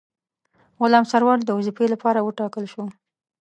غلام سرور د وظیفې لپاره وټاکل شو.